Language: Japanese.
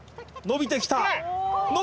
伸びてきた！？